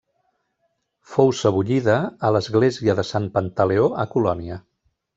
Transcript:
Fou sebollida a l'església de Sant Pantaleó a Colònia.